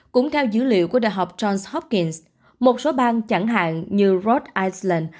cũng theo dữ liệu của đại học johns hopkins một số bang chẳng hạn như rhode island